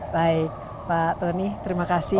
baik pak tony terima kasih